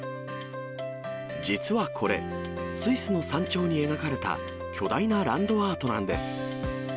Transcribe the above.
実はこれ、スイスの山頂に描かれた巨大なランドアートなんです。